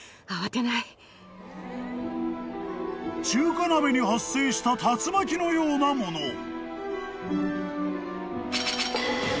［中華鍋に発生した竜巻のようなもの］